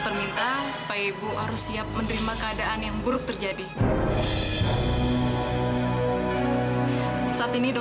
sister siapkan suntikan